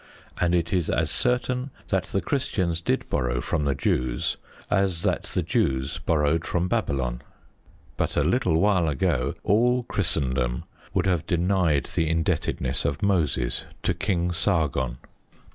And it is as certain that the Christians did borrow from the Jews as that the Jews borrowed from Babylon. But a little while ago all Christendom would have denied the indebtedness of Moses to King Sargon.